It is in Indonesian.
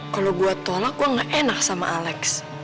kalau buat tolak gue gak enak sama alex